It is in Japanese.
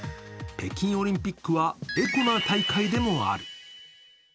北京オリンピックはエコな大会でもある。